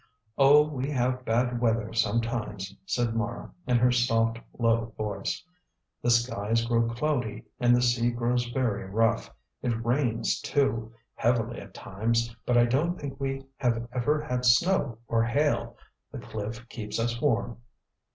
"Oh, we have bad weather sometimes," said Mara, in her soft, low voice; "the skies grow cloudy and the sea grows very rough. It rains, too, heavily at times, but I don't think we have ever had snow or hail. The cliff keeps us warm."